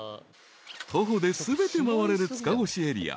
［徒歩で全て回れる塚越エリア］